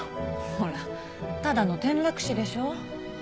ほらただの転落死でしょ？